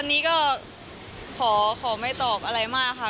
อันนี้ก็ขอไม่ตอบอะไรมากค่ะ